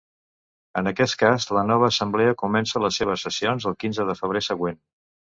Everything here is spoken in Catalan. En aquest cas, la nova Assemblea comença les seves sessions el quinze de febrer següent.